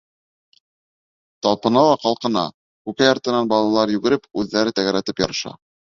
Талпына ла ҡалҡына, Күкәй артынан балалар йүгереп, үҙҙәре тәгәрәтеп ярыша.